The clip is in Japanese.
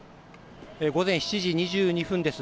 午前７時２２分です。